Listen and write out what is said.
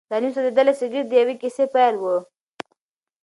دا نیم سوځېدلی سګرټ د یوې کیسې پیل و.